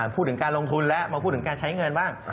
พูดถึงการลงทุนแล้วมาพูดถึงการใช้เงินบ้าง